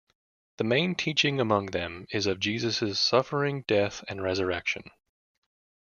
The main teaching among them is of Jesus' suffering, death, and resurrection.